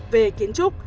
về kiến trúc